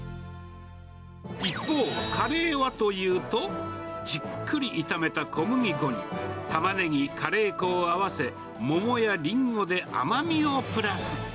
一方、カレーはというと、じっくり炒めた小麦粉に、タマネギ、カレー粉を合わせ、桃やリンゴで甘みをプラス。